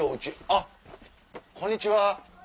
あっこんにちは。